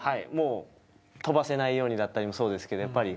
跳ばせないようにだったりもそうですけどやっぱり。